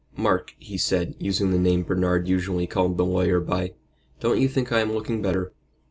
"Mark," he said, using the name Bernard usually called the lawyer by, "don't you think I am looking better?"